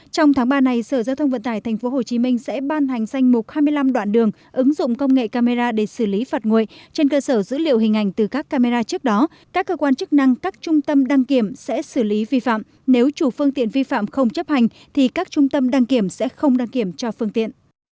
trong tháng ba này sở giao thông vận tải tp hcm sẽ ban hành danh mục hai mươi năm đoạn đường ứng dụng công nghệ camera để xử lý phạt nguội trên cơ sở dữ liệu hình ảnh từ các camera trước đó các cơ quan chức năng các trung tâm đăng kiểm sẽ xử lý vi phạm nếu chủ phương tiện vi phạm không chấp hành thì các trung tâm đăng kiểm sẽ không đăng kiểm cho phương tiện